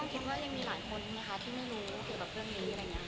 กับเรื่องนี้รึยังไง